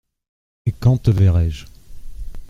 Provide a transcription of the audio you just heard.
Et quand te verrai-je ?